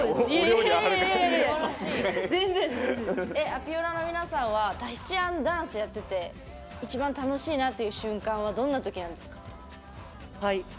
アピオラの皆さんはタヒチアンダンスやってて一番楽しいなという瞬間はどんなときなんですか？